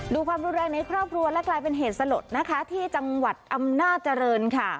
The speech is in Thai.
ความรุนแรงในครอบครัวและกลายเป็นเหตุสลดนะคะที่จังหวัดอำนาจริงค่ะ